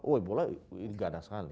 oh ebola ini enggak ada sekali